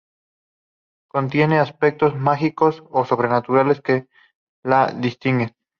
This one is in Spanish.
Contienen aspectos mágicos o sobrenaturales que las distinguen.